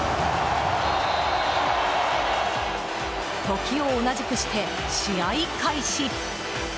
時を同じくして、試合開始。